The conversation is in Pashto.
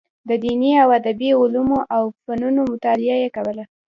د دیني او ادبي علومو او فنونو مطالعه یې کوله.